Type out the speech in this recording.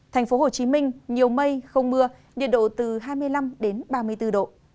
thành phố hồ chí minh nhiều mây không mưa nhiệt độ từ hai mươi năm đến ba mươi bốn độ